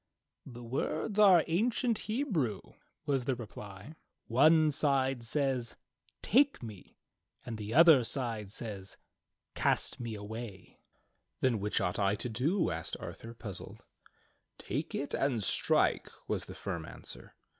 ^" "The words are ancient Hebrew," was the reply. "One side says 'Take me' and the other says 'Cast me away.'" HOW ARTHUR WON HIS SWORD 29 "Then which ought I to do?" asked Arthur, puzzled. "Take it and strike," was the firm answer.